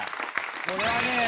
これはね